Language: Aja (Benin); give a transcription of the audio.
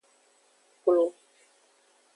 Klo.